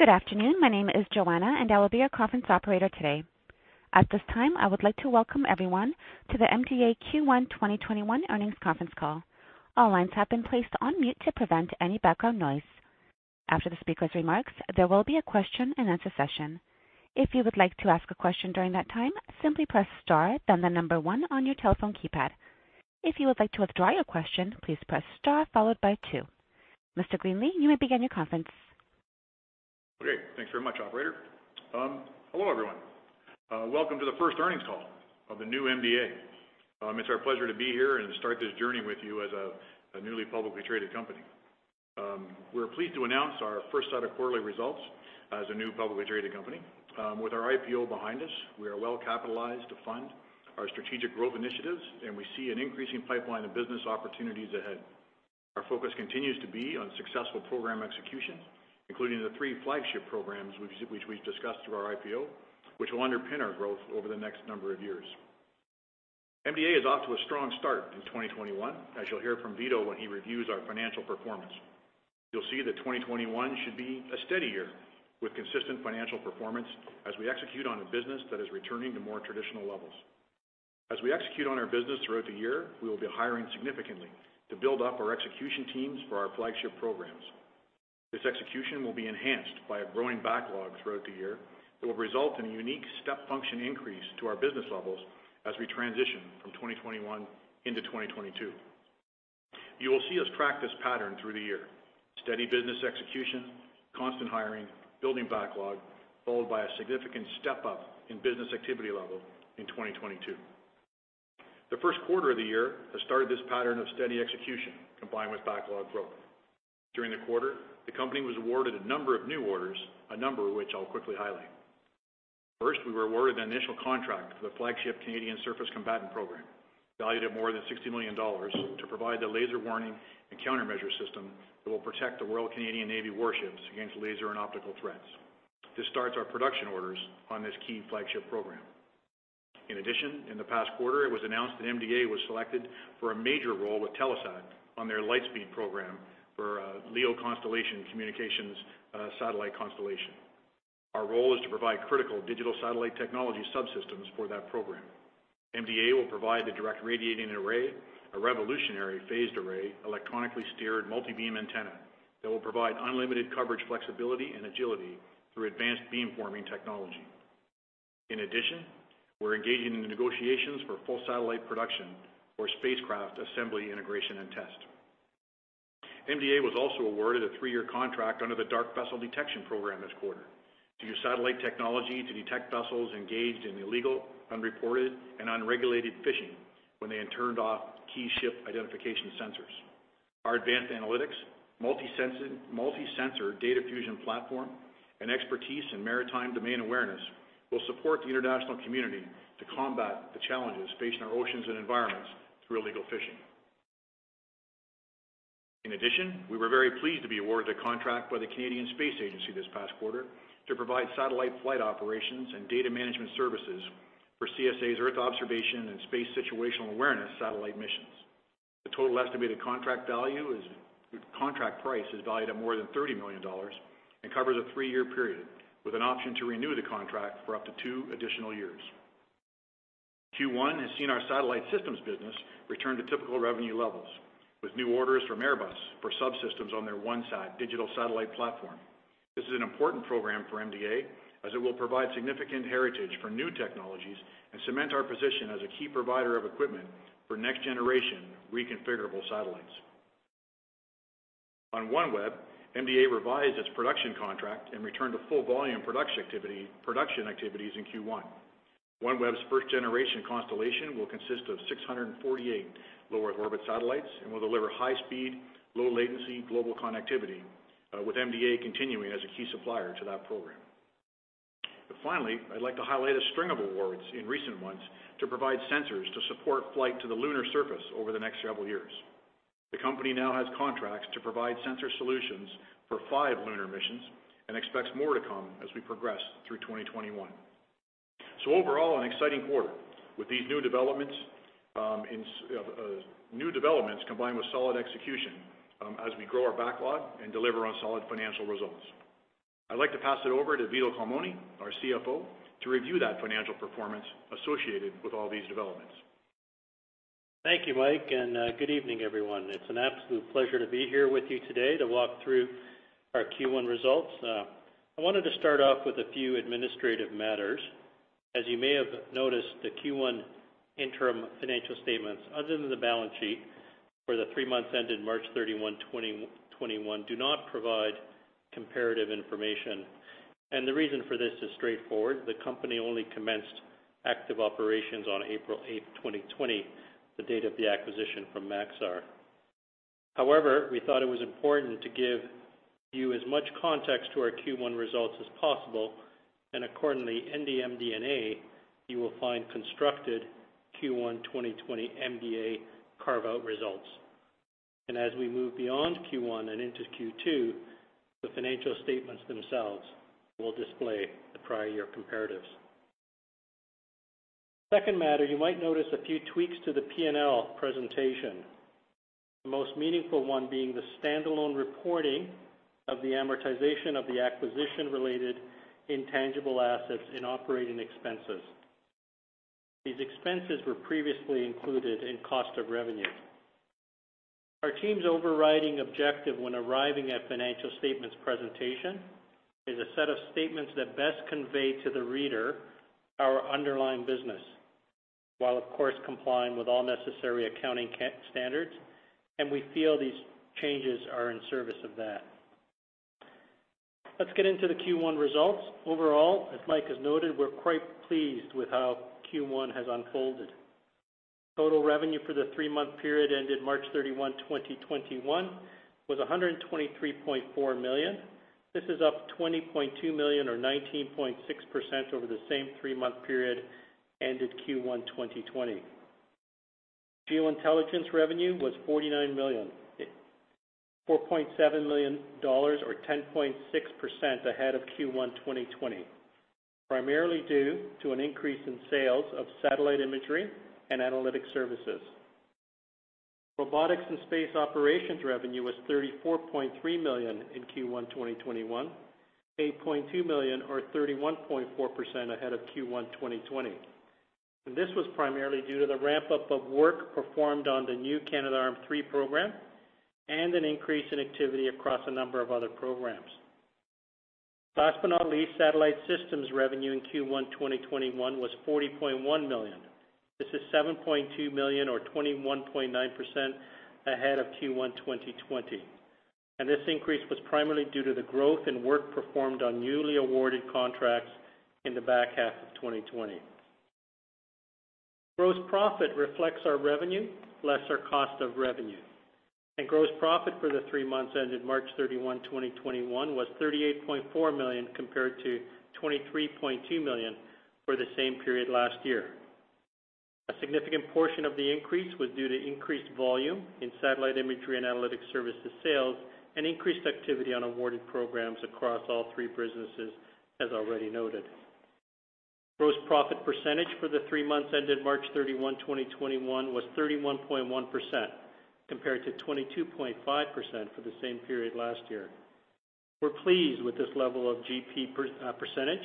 Good afternoon. My name is Joanna, I will be your conference operator today. At this time, I would like to welcome everyone to the MDA Q1 2021 Earnings Conference Call. All lines have been placed on mute to prevent any background noise. After the speaker's remarks, there will be a question-and-answer session. If you would like to ask a question during that time, simply press star, then the number one on your telephone keypad. If you would like to withdraw your question, please press star followed by two. Mr. Greenley, you may begin your conference. Great. Thanks very much, operator. Hello, everyone. Welcome to the first earnings call of the new MDA. It's our pleasure to be here and start this journey with you as a newly publicly traded company. We're pleased to announce our first set of quarterly results as a new publicly traded company. With our IPO behind us, we are well capitalized to fund our strategic growth initiatives, and we see an increasing pipeline of business opportunities ahead. Our focus continues to be on successful program execution, including the three flagship programs which we've discussed through our IPO, which will underpin our growth over the next number of years. MDA is off to a strong start in 2021, as you'll hear from Vito when he reviews our financial performance. You'll see that 2021 should be a steady year, with consistent financial performance as we execute on a business that is returning to more traditional levels. As we execute on our business throughout the year, we will be hiring significantly to build up our execution teams for our flagship programs. This execution will be enhanced by a growing backlog throughout the year that will result in a unique step function increase to our business levels as we transition from 2021 into 2022. You will see us practice pattern through the year, steady business execution, constant hiring, building backlog, followed by a significant step-up in business activity level in 2022. The first quarter of the year has started this pattern of steady execution combined with backlog growth. During the quarter, the company was awarded a number of new orders, a number of which I'll quickly highlight. First, we were awarded an initial contract for the flagship Canadian Surface Combatant program, valued at more than 60 million dollars, to provide the laser warning and countermeasure system that will protect the Royal Canadian Navy warships against laser and optical threats. This starts our production orders on this key flagship program. In addition, in the past quarter, it was announced that MDA was selected for a major role with Telesat on their Lightspeed program for LEO constellation communications satellite. Our role is to provide critical digital satellite technology subsystems for that program. MDA will provide the direct radiating array, a revolutionary phased array, electronically steered multi-beam antenna that will provide unlimited coverage flexibility and agility through advanced beamforming technology. In addition, we're engaging in the negotiations for full satellite production for spacecraft assembly, integration, and test. MDA was also awarded a three-year contract under the Dark Vessel Detection program this quarter to use satellite technology to detect vessels engaged in illegal, unreported, and unregulated fishing when they had turned off key ship identification sensors. Our advanced analytics, multi-sensor data fusion platform, and expertise in maritime domain awareness will support the international community to combat the challenges facing our oceans and environments through illegal fishing. In addition, we were very pleased to be awarded a contract by the Canadian Space Agency this past quarter to provide satellite flight operations and data management services for CSA's Earth observation and space situational awareness satellite missions. The total estimated contract price is valued at more than 30 million dollars and covers a three-year period, with an option to renew the contract for up to two additional years. Q1 has seen our Satellite Systems business return to typical revenue levels with new orders from Airbus for subsystems on their OneSat digital satellite platform. This is an important program for MDA as it will provide significant heritage for new technologies and cement our position as a key provider of equipment for next-generation reconfigurable satellites. On OneWeb, MDA revised its production contract and returned to full volume production activities in Q1. OneWeb's first-generation constellation will consist of 648 low-Earth orbit satellites and will deliver high-speed, low-latency global connectivity, with MDA continuing as a key supplier to that program. Finally, I'd like to highlight a string of awards in recent months to provide sensors to support flight to the lunar surface over the next several years. The company now has contracts to provide sensor solutions for five lunar missions and expects more to come as we progress through 2021. Overall, an exciting quarter with these new developments combined with solid execution as we grow our backlog and deliver on solid financial results. I'd like to pass it over to Vito Culmone, our CFO, to review that financial performance associated with all these developments. Thank you, Mike. Good evening, everyone. It's an absolute pleasure to be here with you today to walk through our Q1 results. I wanted to start off with a few administrative matters. As you may have noticed, the Q1 interim financial statements, other than the balance sheet, for the three months ended March 31, 2021, do not provide comparative information. The reason for this is straightforward. The company only commenced active operations on April 8th, 2020, the date of the acquisition from Maxar. We thought it was important to give you as much context to our Q1 results as possible, and accordingly, in the MD&A, you will find constructed Q1 2020 MDA carve-out results. As we move beyond Q1 and into Q2, the financial statements themselves will display the prior year comparatives. Second matter, you might notice a few tweaks to the P&L presentation, the most meaningful one being the standalone reporting of the amortization of the acquisition-related intangible assets in operating expenses. These expenses were previously included in cost of revenue. Our team's overriding objective when arriving at financial statements presentation is a set of statements that best convey to the reader our underlying business, while, of course, complying with all necessary accounting standards, and we feel these changes are in service of that. Let's get into the Q1 results. Overall, as Mike has noted, we're quite pleased with how Q1 has unfolded. Total revenue for the three-month period ended March 31, 2021, was 123.4 million. This is up 20.2 million or 19.6% over the same three-month period ended Q1 2020. Geointelligence revenue was CAD 49 million, 4.7 million dollars or 10.6% ahead of Q1 2020, primarily due to an increase in sales of satellite imagery and analytic services. Robotics & Space Operations revenue was 34.3 million in Q1 2021, 8.2 million or 31.4% ahead of Q1 2020. This was primarily due to the ramp-up of work performed on the new Canadarm3 program and an increase in activity across a number of other programs. Last but not least, Satellite Systems revenue in Q1 2021 was 40.1 million. This is 7.2 million or 21.9% ahead of Q1 2020. This increase was primarily due to the growth in work performed on newly awarded contracts in the back half of 2020. Gross profit reflects our revenue less our cost of revenue. Gross profit for the three months ended March 31, 2021, was 38.4 million compared to 23.2 million for the same period last year. A significant portion of the increase was due to increased volume in satellite imagery and analytic services sales, and increased activity on awarded programs across all three businesses, as already noted. Gross profit percentage for the three months ended March 31, 2021, was 31.1%, compared to 22.5% for the same period last year. We're pleased with this level of GP percentage,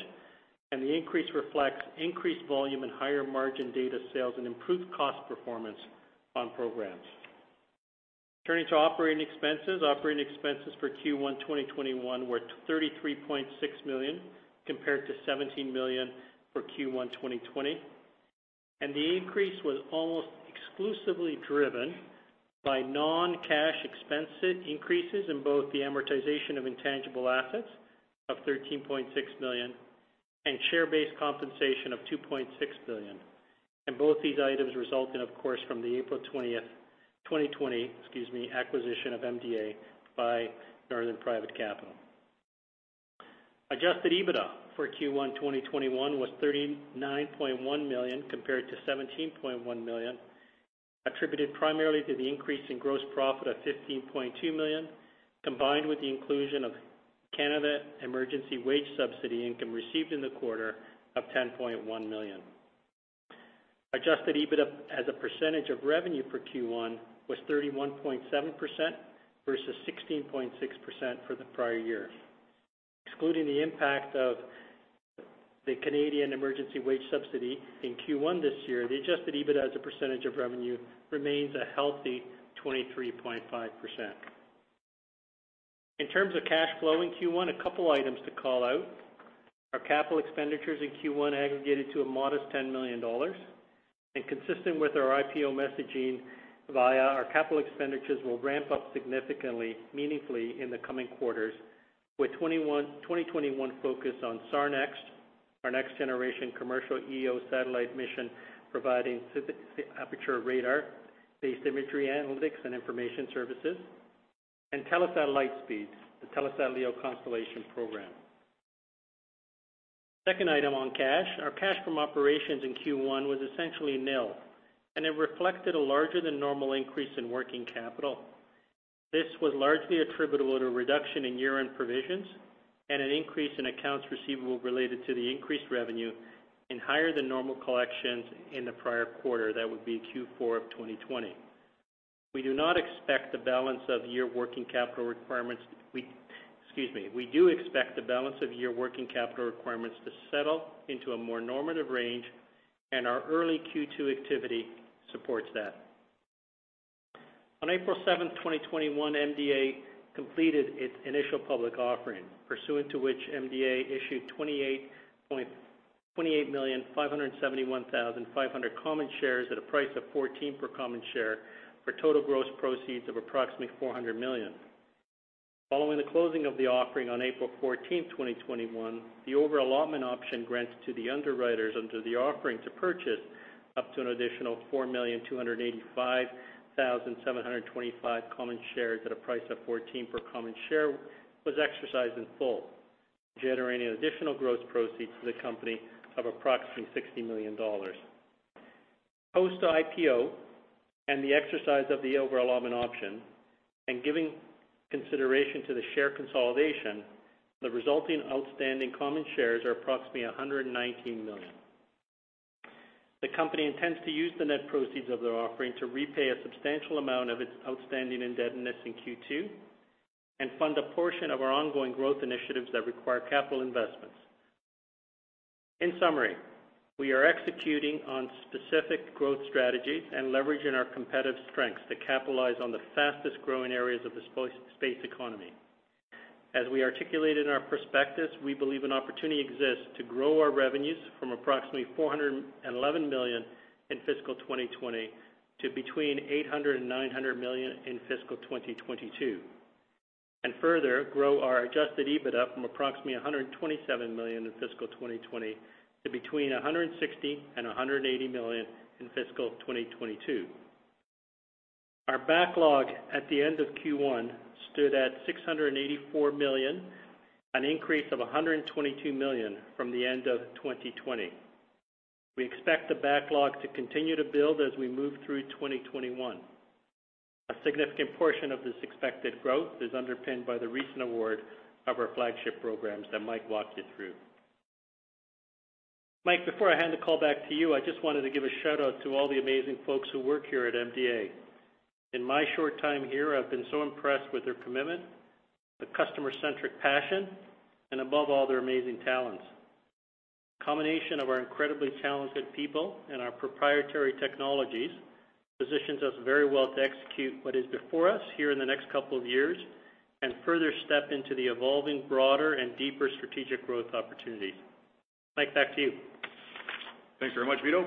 and the increase reflects increased volume and higher-margin data sales and improved cost performance on programs. Turning to operating expenses. Operating expenses for Q1 2021 were 33.6 million, compared to 17 million for Q1 2020. The increase was almost exclusively driven by non-cash expense increases in both the amortization of intangible assets of 13.6 million and share-based compensation of 2.6 billion. Both these items resulting, of course, from the April 20, 2020, acquisition of MDA by Northern Private Capital. Adjusted EBITDA for Q1 2021 was 39.1 million compared to 17.1 million, attributed primarily to the increase in gross profit of 15.2 million, combined with the inclusion of Canada Emergency Wage Subsidy income received in the quarter of 10.1 million. Adjusted EBITDA as a percentage of revenue for Q1 was 31.7% versus 16.6% for the prior year. Excluding the impact of the Canada Emergency Wage Subsidy in Q1 this year, the Adjusted EBITDA as a percentage of revenue remains a healthy 23.5%. In terms of cash flow in Q1, a couple items to call out. Our capital expenditures in Q1 aggregated to a modest 10 million dollars. Consistent with our IPO messaging via our capital expenditures will ramp up significantly, meaningfully in the coming quarters with 2021 focused on SARnext, our next-generation commercial EO satellite mission, providing synthetic aperture radar-based imagery analytics and information services, and Telesat Lightspeed, the Telesat LEO constellations program. Second item on cash, our cash from operations in Q1 was essentially nil, and it reflected a larger-than-normal increase in working capital. This was largely attributable to a reduction in year-end provisions and an increase in accounts receivable related to the increased revenue and higher-than-normal collections in the prior quarter, that would be Q4 of 2020. We do expect the balance of year working capital requirements to settle into a more normative range, and our early Q2 activity supports that. On April 7, 2021, MDA completed its initial public offering, pursuant to which MDA issued 28,571,500 common shares at a price of 14 per common share for total gross proceeds of approximately 400 million. Following the closing of the offering on April 14, 2021, the over-allotment option granted to the underwriters under the offering to purchase up to an additional 4,285,725 common shares at a price of 14 per common share was exercised in full, generating additional gross proceeds to the company of approximately 60 million dollars. Post-IPO and the exercise of the over-allotment option, and giving consideration to the share consolidation, the resulting outstanding common shares are approximately 119 million. The company intends to use the net proceeds of their offering to repay a substantial amount of its outstanding indebtedness in Q2 and fund a portion of our ongoing growth initiatives that require capital investments. In summary, we are executing on specific growth strategies and leveraging our competitive strengths to capitalize on the fastest-growing areas of the space economy. As we articulated in our prospectus, we believe an opportunity exists to grow our revenues from approximately 411 million in fiscal 2020 to between 800 million and 900 million in fiscal 2022. Further, grow our adjusted EBITDA from approximately 127 million in fiscal 2020 to between 160 million and 180 million in fiscal 2022. Our backlog at the end of Q1 stood at 684 million, an increase of 122 million from the end of 2020. We expect the backlog to continue to build as we move through 2021. A significant portion of this expected growth is underpinned by the recent award of our flagship programs that Mike walked you through. Mike, before I hand the call back to you, I just wanted to give a shout-out to all the amazing folks who work here at MDA. In my short time here, I've been so impressed with their commitment, the customer-centric passion, and above all, their amazing talents. A combination of our incredibly talented people and our proprietary technologies positions us very well to execute what is before us here in the next couple of years, and further step into the evolving broader and deeper strategic growth opportunities. Mike, back to you. Thanks very much, Vito.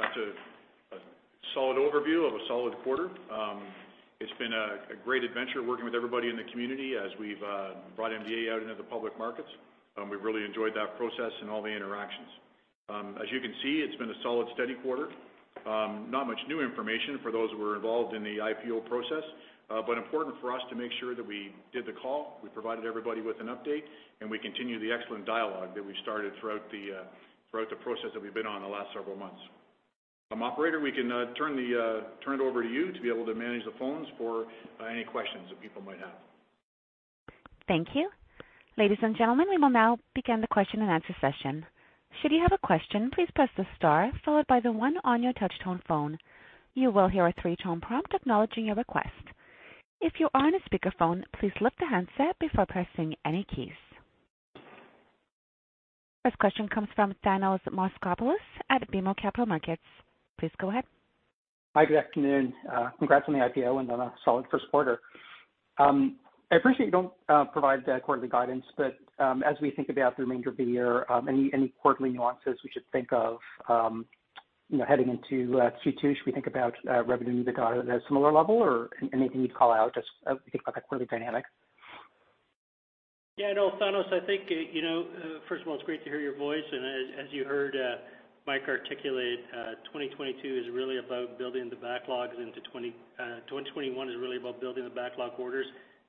That's a solid overview of a solid quarter. It's been a great adventure working with everybody in the community as we've brought MDA out into the public markets. We've really enjoyed that process and all the interactions. As you can see, it's been a solid, steady quarter. Not much new information for those who were involved in the IPO process, but important for us to make sure that we did the call, we provided everybody with an update, and we continue the excellent dialogue that we started throughout the process that we've been on the last several months. Operator, we can turn it over to you to be able to manage the phones for any questions that people might have. Thank you. Ladies and gentlemen, we will now begin the question-and-answer session. Should you have a question, please press the star followed by the one on your touch-tone phone. You will hear a three-tone prompt acknowledging your request. If you are on a speakerphone, please lift the handset before pressing any keys. First question comes from Thanos Moschopoulos at BMO Capital Markets. Please go ahead. Hi, good afternoon. Congrats on the IPO and on a solid first quarter. I appreciate you don't provide quarterly guidance. As we think about the remainder of the year, any quarterly nuances we should think of heading into Q2? Should we think about revenue that got at a similar level or anything you'd call out just as we think about the quarterly dynamic? Yeah, no, Thanos, I think, first of all, it is great to hear your voice, and as you heard Mike articulate, 2021 is really about building the backlog orders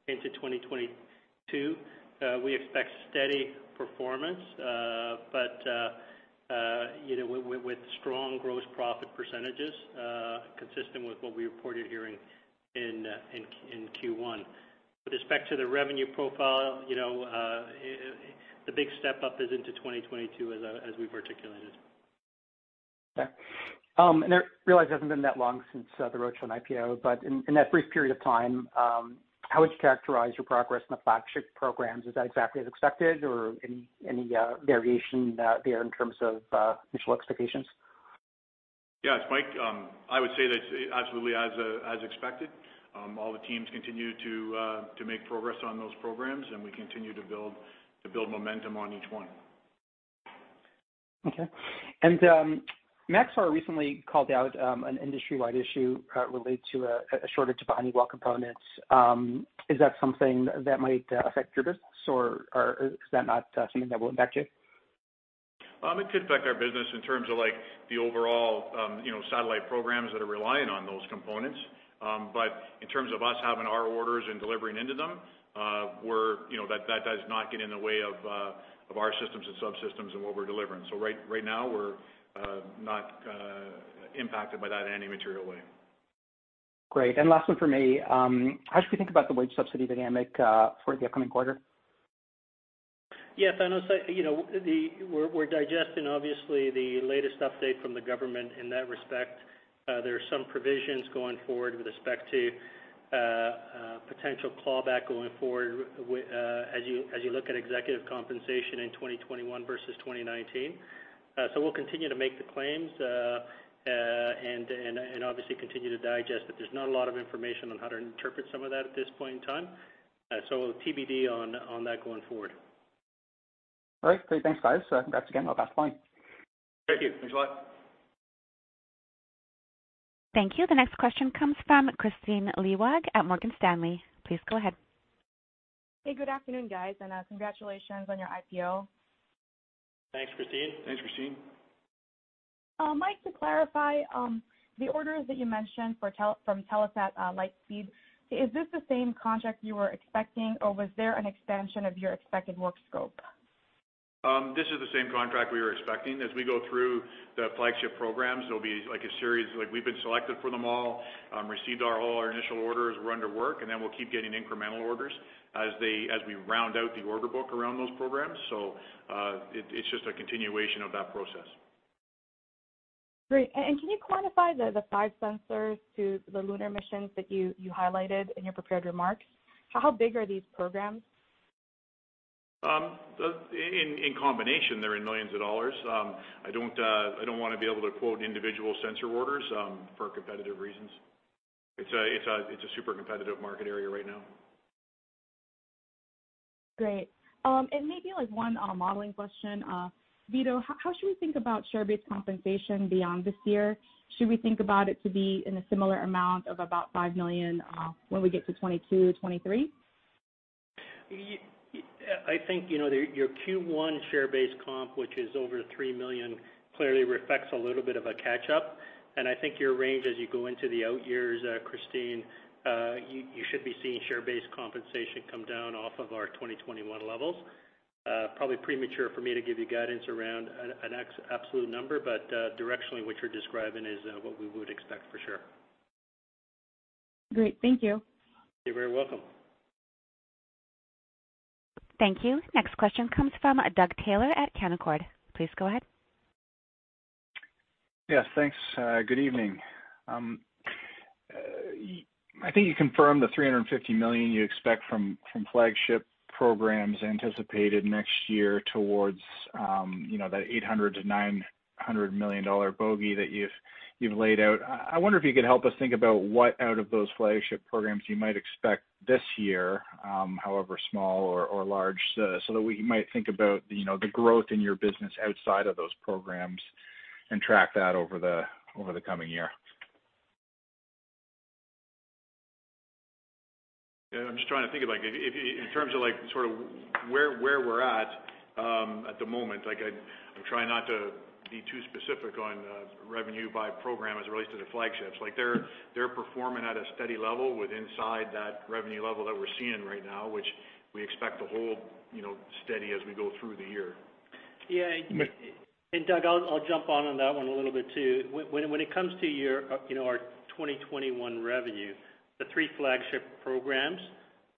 into 2022. We expect steady performance, but with strong gross profit percentages, consistent with what we reported here in Q1. With respect to the revenue profile, the big step-up is into 2022, as we have articulated. Okay. I realize it hasn't been that long since the roadshow and IPO, in that brief period of time, how would you characterize your progress in the flagship programs? Is that exactly as expected or any variation there in terms of initial expectations? It's Mike. I would say that's absolutely as expected. All the teams continue to make progress on those programs, and we continue to build momentum on each one. Okay. Maxar recently called out an industry-wide issue related to a shortage of Honeywell components. Is that something that might affect your business, or is that not something that will impact you? It could affect our business in terms of the overall satellite programs that are reliant on those components. In terms of us having our orders and delivering into them, that does not get in the way of our systems and subsystems and what we're delivering. Right now, we're not impacted by that in any material way. Great. Last one from me. How should we think about the wage subsidy dynamic for the upcoming quarter? Yeah, Thanos, we're digesting, obviously, the latest update from the government in that respect. There's some provisions going forward with respect to potential clawback going forward, as you look at executive compensation in 2021 versus 2019. We'll continue to make the claims, and obviously continue to digest, but there's not a lot of information on how to interpret some of that at this point in time. TBD on that going forward. All right. Great. Thanks, guys. Congrats again on that. Fine. Thank you. Thanks a lot. Thank you. The next question comes from Kristine Liwag at Morgan Stanley. Please go ahead. Hey, good afternoon, guys, and congratulations on your IPO. Thanks, Kristine. Thanks, Kristine. Can you clarify the orders that you mentioned from Telesat Lightspeed? Is this the same contract you were expecting, or was there an expansion of your expected work scope? This is the same contract we were expecting. As we go through the flagship programs, there'll be a series. We've been selected for them all, received all our initial orders. We're under work, and then we'll keep getting incremental orders as we round out the order book around those programs. It's just a continuation of that process. Great. Can you quantify the five sensors to the lunar missions that you highlighted in your prepared remarks? How big are these programs? In combination, they're in millions of CAD. I don't want to be able to quote individual sensor orders for competitive reasons. It's a super competitive market area right now. Great. Maybe one modeling question. Vito, how should we think about share-based compensation beyond this year? Should we think about it to be in a similar amount of about 5 million when we get to 2022, 2023? I think, your Q1 share-based comp, which is over 3 million, clearly reflects a little bit of a catch-up. I think your range as you go into the out years, Kristine, you should be seeing share-based compensation come down off of our 2021 levels. Probably premature for me to give you guidance around an absolute number, but directionally what you're describing is what we would expect for sure. Great. Thank you. You're very welcome. Thank you. Next question comes from Doug Taylor at Canaccord. Please go ahead. Yes, thanks. Good evening. I think you confirmed the 350 million you expect from flagship programs anticipated next year towards that 800 million-900 million dollar bogey that you've laid out. I wonder if you could help us think about what out of those flagship programs you might expect this year, however small or large, so that we might think about the growth in your business outside of those programs and track that over the coming year. I'm just trying to think about it. In terms of where we're at at the moment, I'm trying not to be too specific on revenue by program as it relates to the flagships. They're performing at a steady level with inside that revenue level that we're seeing right now, which we expect to hold steady as we go through the year. Yeah. Doug, I'll jump on that one a little bit too. When it comes to our 2021 revenue, the three flagship programs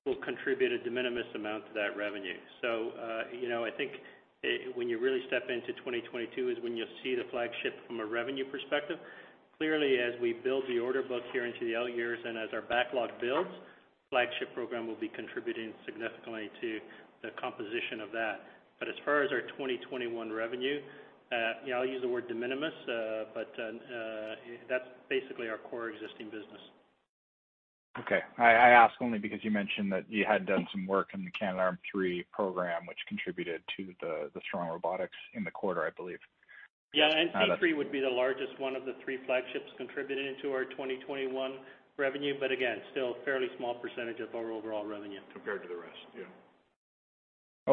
will contribute a de minimis amount to that revenue. I think when you really step into 2022 is when you'll see the flagship from a revenue perspective. Clearly, as we build the order book here into the out years and as our backlog builds, flagship program will be contributing significantly to the composition of that. As far as our 2021 revenue, I'll use the word de minimis, but that's basically our core existing business. Okay. I ask only because you mentioned that you had done some work in the Canadarm3 program, which contributed to the strong robotics in the quarter, I believe. Yeah, and C3 would be the largest one of the three flagships contributing to our 2021 revenue, but again, still a fairly small percent of our overall revenue. Compared to the rest. Yeah.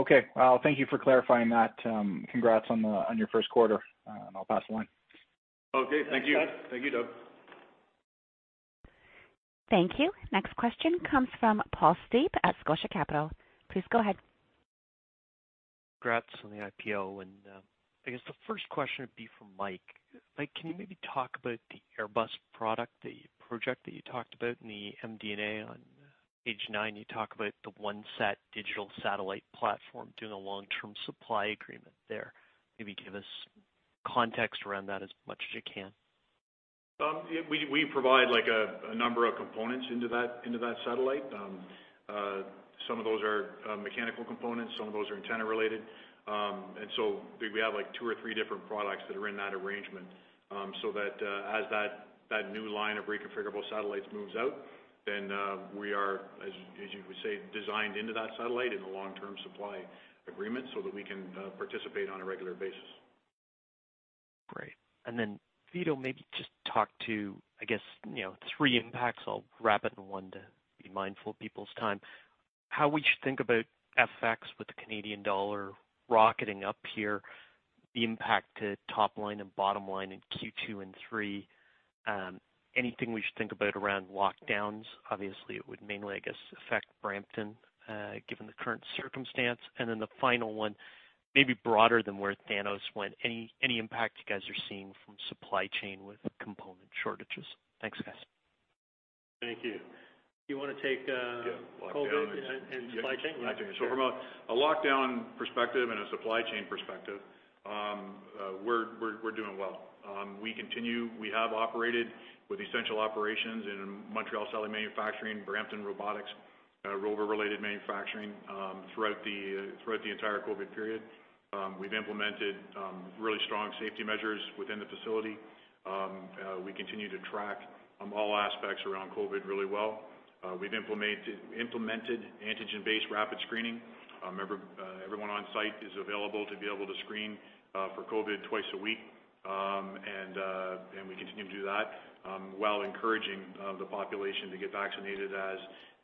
Okay. Well, thank you for clarifying that. Congrats on your first quarter. I'll pass the line. Okay. Thank you. Thanks, Doug. Thank you, Doug. Thank you. Next question comes from Paul Steep at Scotia Capital. Please go ahead. Congrats on the IPO. I guess the first question would be for Mike. Mike, can you maybe talk about the Airbus product, the project that you talked about in the MD&A on page nine? You talk about the OneSat digital satellite platform doing a long-term supply agreement there. Maybe give us context around that as much as you can. We provide a number of components into that satellite. Some of those are mechanical components, some of those are antenna related. We have two or three different products that are in that arrangement. As that new line of reconfigurable satellites moves out, we are, as you would say, designed into that satellite in a long-term supply agreement so that we can participate on a regular basis. Great. Vito, maybe just talk to, I guess, three impacts. I'll wrap it in one to be mindful of people's time. How we should think about FX with the Canadian dollar rocketing up here, the impact to top line and bottom line in Q2 and three. Anything we should think about around lockdowns? Obviously, it would mainly, I guess, affect Brampton, given the current circumstance. The final one, maybe broader than where Thanos went, any impact you guys are seeing from supply chain with component shortages. Thanks, guys. Thank you. Do you want to take- Yeah COVID and supply chain? Yeah, I can. From a lockdown perspective and a supply chain perspective, we're doing well. We have operated with essential operations in Montreal satellite manufacturing, Brampton robotics, rover-related manufacturing, throughout the entire COVID period. We've implemented really strong safety measures within the facility. We continue to track all aspects around COVID really well. We've implemented antigen-based rapid screening. Everyone on site is available to be able to screen for COVID twice a week. We continue to do that while encouraging the population to get vaccinated as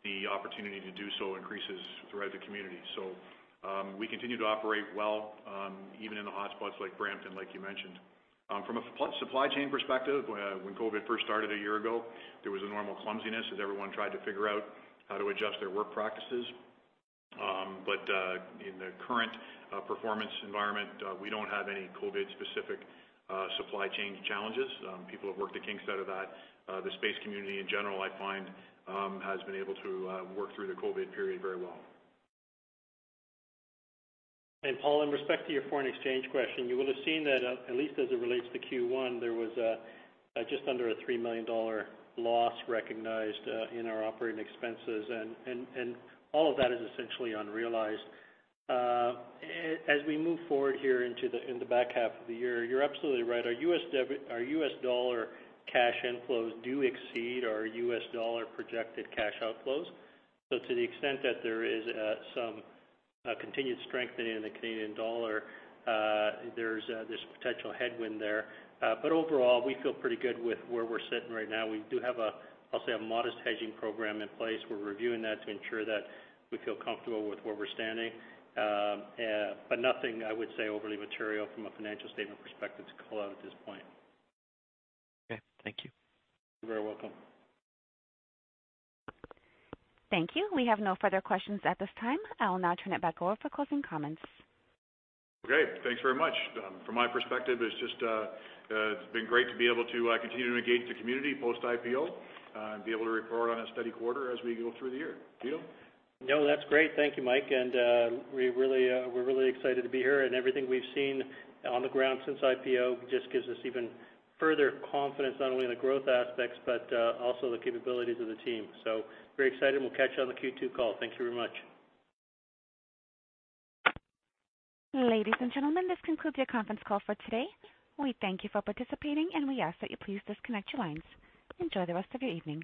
the opportunity to do so increases throughout the community. We continue to operate well, even in the hotspots like Brampton, like you mentioned. From a supply chain perspective, when COVID first started a year ago, there was a normal clumsiness as everyone tried to figure out how to adjust their work practices. In the current performance environment, we don't have any COVID-specific supply chain challenges. People have worked to King's better that. The space community in general, I find, has been able to work through the COVID period very well. Paul, in respect to your foreign exchange question, you will have seen that at least as it relates to Q1, there was just under a 3 million dollar loss recognized in our operating expenses, and all of that is essentially unrealized. As we move forward here in the back half of the year, you're absolutely right. Our U.S. dollar cash inflows do exceed our U.S. dollar projected cash outflows. To the extent that there is some continued strengthening in the Canadian dollar, there's this potential headwind there. Overall, we feel pretty good with where we're sitting right now. We do have, I'll say, a modest hedging program in place. We're reviewing that to ensure that we feel comfortable with where we're standing. Nothing, I would say, overly material from a financial statement perspective to call out at this point. Okay. Thank you. You're very welcome. Thank you. We have no further questions at this time. I will now turn it back over for closing comments. Okay, thanks very much. From my perspective, it's been great to be able to continue to engage the community post-IPO and be able to report on a steady quarter as we go through the year. Vito? No, that's great. Thank you, Mike. We're really excited to be here, and everything we've seen on the ground since IPO just gives us even further confidence not only in the growth aspects, but also the capabilities of the team. Very excited, and we'll catch you on the Q2 call. Thank you very much. Ladies and gentlemen, this concludes your conference call for today. We thank you for participating, and we ask that you please disconnect your lines. Enjoy the rest of your evening.